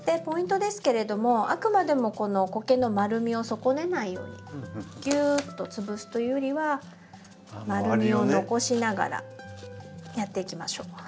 ポイントですけれどもあくまでもこのコケの丸みを損ねないようにギューッと潰すというよりは丸みを残しながらやっていきましょう。